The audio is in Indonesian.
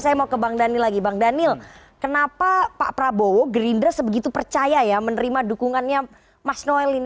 saya mau ke bang dani lagi bang daniel kenapa pak prabowo gerindra sebegitu percaya ya menerima dukungannya mas noel ini